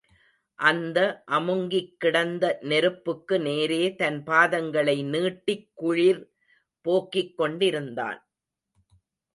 அந்த அமுங்கிக் கிடந்த நெருப்புக்கு நேரே தன் பாதங்களை நீட்டிக் குளிர் போக்கிக் கொண்டிருந்தான்.